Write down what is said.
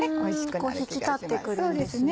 引き立ってくるんですね。